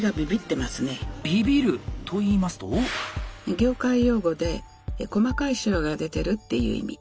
業界用語で「細かいシワが出てる」っていう意味。